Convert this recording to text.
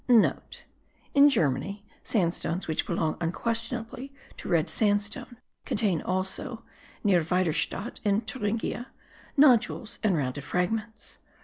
(* In Germany sandstones which belong unquestionably to red sandstone contain also (near Weiderstadt, in Thuringia) nodules, and rounded fragments.